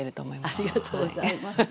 ありがとうございます。